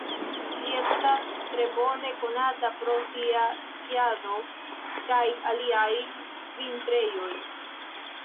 Ĝi estas tre bone konata pro sia skiado kaj aliaj vintrejoj.